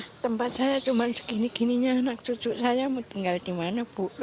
tempat saya cuma segini gininya anak cucu saya mau tinggal di mana bu